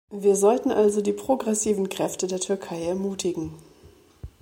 Wir sollten also die progressiven Kräfte der Türkei ermutigen.